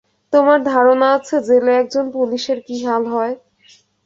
তোমার ধারণা আছে জেলে একজন পুলিশের কী হাল হয়?